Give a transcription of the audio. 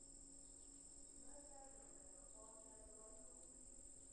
مړه ته د خدای خوا ته دعا کوو